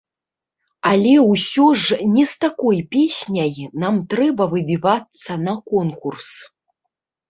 Але, усё ж, з не такой песняй нам трэба выбівацца на конкурс.